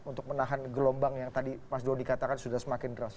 untuk menahan gelombang yang tadi mas dodi katakan sudah semakin deras